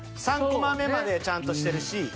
３コマ目までちゃんとしてるし。